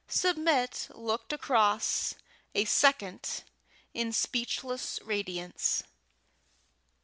Submit looked across a second in speechless radiance.